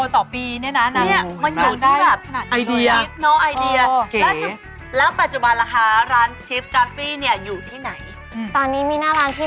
ตอนนี้มีหน้าร้านที่เม็กกาบังนาน